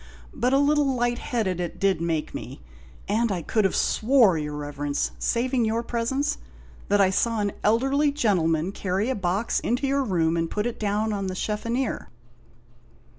But a little light 'eaded it did make me, and I could 'ave swore, your Eeverence, saving your presence, that I saw an elderly gentleman carry a box into your room and put it down on the sheffoneer."